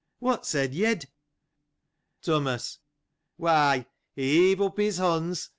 — What said Yed? Thomas. — Why, he lifted up his hands